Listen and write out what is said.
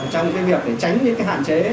trong kinh nghiệp để tránh những hạn chế